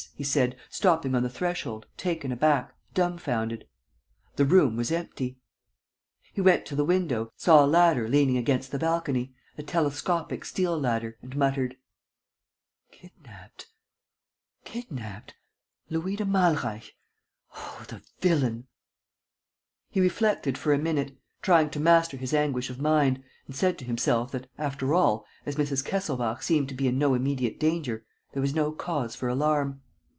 he said, stopping on the threshold, taken aback, dumfounded. The room was empty. He went to the window, saw a ladder leaning against the balcony, a telescopic steel ladder, and muttered: "Kidnapped ... kidnapped ... Louis de Malreich. ... Oh, the villain! ..."He reflected for a minute, trying to master his anguish of mind, and said to himself that, after all, as Mrs. Kesselbach seemed to be in no immediate danger, there was no cause for alarm.